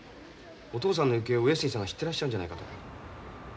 お父さんの行方を上杉さんが知ってらっしゃるんじゃないかと。